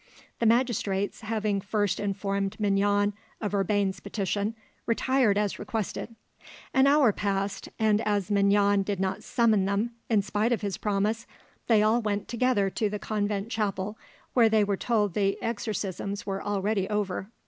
The magistrates, having first informed Mignon of Urbain's petition, retired as requested. An hour passed, and as Mignon did not summon them, in spite of his promise, they all went together to the convent chapel, where they were told the exorcisms were already over.